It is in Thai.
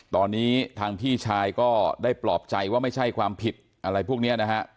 ตอนนี้ทางพี่ชายก็ได้ปลอบใจว่าไม่ใช่ความผิดอะไรพวกนี้นะฮะ